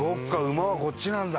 馬はこっちなんだ。